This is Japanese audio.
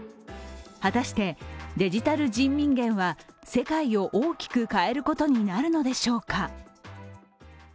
果たしてデジタル人民元は、世界を大きく変えることになるのでしょうか。